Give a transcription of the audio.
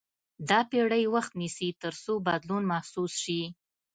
دا پېړۍ وخت نیسي تر څو بدلون محسوس شي.